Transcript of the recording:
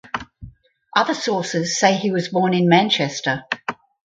Other sources say he was born in Manchester.